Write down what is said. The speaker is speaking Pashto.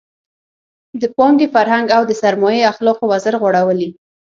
د پانګې فرهنګ او د سرمایې اخلاقو وزر غوړولی.